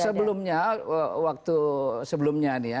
sebelumnya waktu sebelumnya nih ya